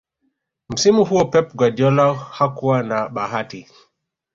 msimu huo pep guardiola hakuwa na bahati